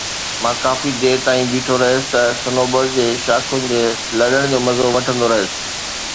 مان ڪافي دير تائين بيٺو رهيس ته صنوبر جي شاخن جي لڏڻ جو مزو وٺندو رهيس